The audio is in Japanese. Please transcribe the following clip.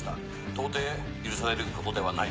到底許されることではない。